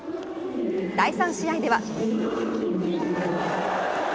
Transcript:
第３試合では。